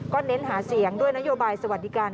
เน้นหาเสียงด้วยนโยบายสวัสดิการ